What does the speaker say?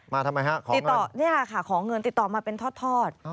มาทำไมฮะขอเงินนี่ค่ะขอเงินติดต่อมาเป็นทอด